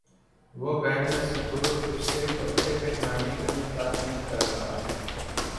وہ بین السطور اسے کپڑے پہنانے کی تاکید کر رہا ہے۔